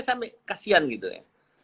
saya kasihan gitu ya